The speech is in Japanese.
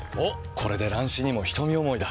これで乱視にも瞳思いだ。